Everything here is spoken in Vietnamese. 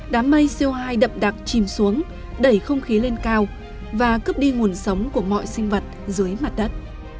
đám mây co hai đậm đặc chìm xuống đẩy không khí lên cao và cướp đi nguồn sống của mọi sinh vật dưới mặt đất